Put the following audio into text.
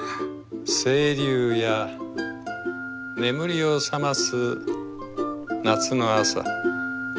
「清流や眠りを覚ます夏の朝」。